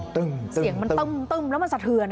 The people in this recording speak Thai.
เสียงมันตึ้มแล้วมันสะเทือน